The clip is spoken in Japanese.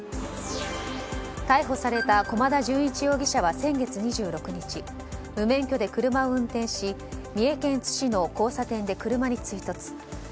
逮捕された駒田純一容疑者は先月２６日無免許で車を運転し三重県津市の交差点で車に追突。